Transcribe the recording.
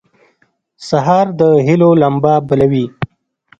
سهار د هيلو لمبه بلوي.